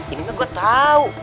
ini gue tau